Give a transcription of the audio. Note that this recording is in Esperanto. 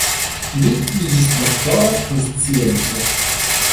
Li iĝis doktoro pri scienco.